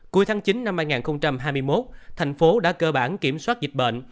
cuối tháng chín năm hai nghìn hai mươi một thành phố đã cơ bản kiểm soát dịch bệnh